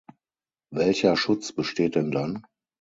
Welcher Schutz besteht denn dann?